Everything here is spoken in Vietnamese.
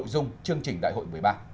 cùng chương trình đại hội một mươi ba